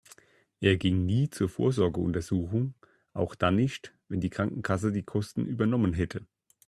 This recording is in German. Er ging nie zur Vorsorgeuntersuchung, auch dann nicht, wenn die Krankenkasse die Kosten übernommen hätte.